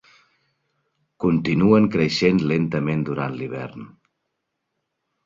Continuen creixent lentament durant l'hivern.